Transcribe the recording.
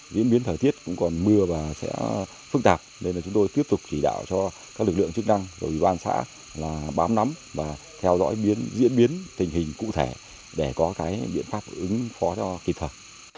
diễn biến thời tiết cũng còn mưa và sẽ phức tạp nên chúng tôi tiếp tục chỉ đạo cho các lực lượng chức năng và ủy ban xã bám nắm và theo dõi diễn biến tình hình cụ thể để có biện pháp ứng phó cho kịp thật